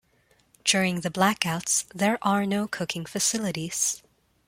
During the blackouts there are no cooking facilities.